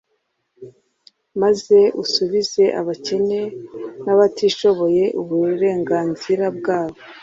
maze usubize abakene n'abatishoboye uburenganzira bwabo